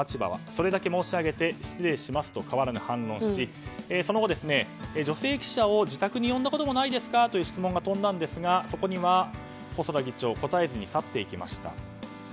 それだけ申し上げて失礼しますと変わらぬ反論をしその後、女性記者を自宅に呼んだこともないですか？という質問が飛んだんですがそこには細田議長答えずに去っていきました。